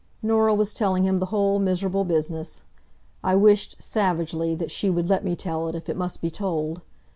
Norah was telling him the whole miserable business. I wished, savagely, that she would let me tell it, if it must be told.